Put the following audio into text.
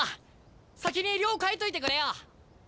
先に寮帰っといてくれよ。